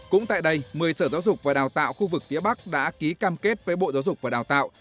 cũng tại đây một mươi sở giáo dục và đào tạo khu vực phía bắc đã ký cam kết với bộ giáo dục và đào tạo